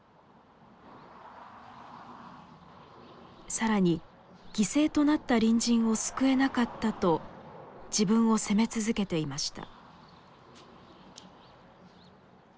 更に犠牲となった隣人を救えなかったと自分を責め続けていました。